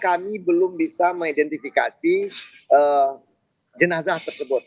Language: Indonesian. kami belum bisa mengidentifikasi jenazah tersebut